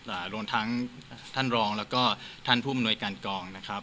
รวมทั้งท่านรองแล้วก็ท่านผู้อำนวยการกองนะครับ